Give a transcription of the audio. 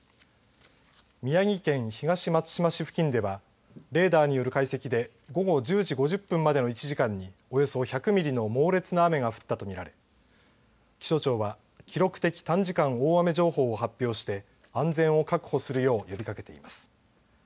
宮城県東松島市付近ではレーダーによる解析で午後１０時５０分までの１時間におよそ１００ミリの猛烈な雨が降ったと見られ気象庁は記録的短時間大雨情報を発表して安全を確保するよう呼びかけています。